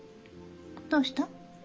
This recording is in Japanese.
どうした？